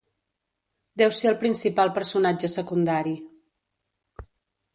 Deu ser el principal personatge secundari.